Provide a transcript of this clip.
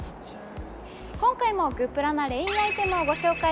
今回もグップラなレインアイテムをご紹介。